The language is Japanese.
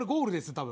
多分。